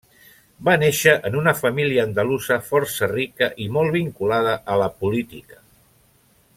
Va néixer en una família andalusa força rica i molt vinculada a la política.